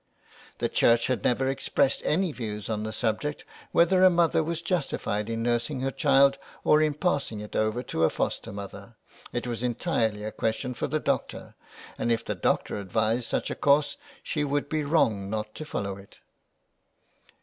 The church had never expressed any views on the subject : whether a mother was justified in nursing her child or in passing it over to a foster mother. It was entirely a question for the doctor, and if the doctor advised such a course she would be wrong not to follow it.